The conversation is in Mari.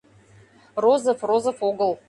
Розов — Розов огыл...